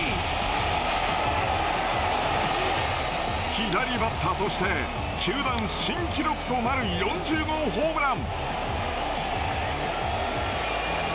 左バッターとして球団新記録となる４０号ホームラン。